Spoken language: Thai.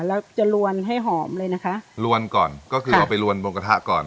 แล้วจะลวนให้หอมเลยนะคะลวนก่อนก็คือเอาไปลวนกระทะก่อน